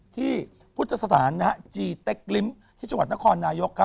ที่พุทธศาสตร์ณจีเต็กริมที่ชวัดนครนายกครับ